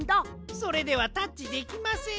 それではタッチできません。